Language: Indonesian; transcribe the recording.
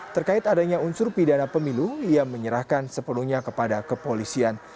terkait adanya unsur pidana pemilu ia menyerahkan sepenuhnya kepada kepolisian